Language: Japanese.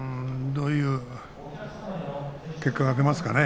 どういう結果が出ますかね